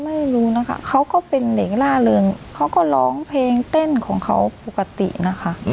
ไม่รู้นะคะเขาก็เป็นเด็กล่าเริงเขาก็ร้องเพลงเต้นของเขาปกตินะคะ